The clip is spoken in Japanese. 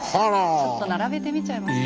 ちょっと並べてみちゃいました。